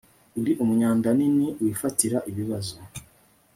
uri umunyandanini wifatira ibibazo